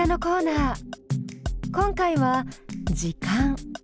今回は「時間」。